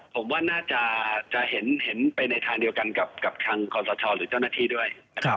ผมว่าน่าจะเห็นไปในทางเดียวกันกับทางคอสชหรือเจ้าหน้าที่ด้วยนะครับ